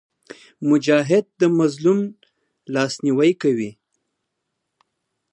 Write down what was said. مجاهد د مظلوم لاسنیوی کوي.